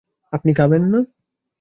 আপনি খাবেন না?